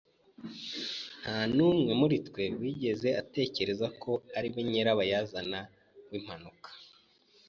Nta n'umwe muri twe wigeze atekereza ko ari we nyirabayazana w'impanuka.